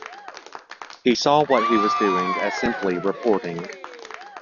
He saw what he was doing as simply reporting.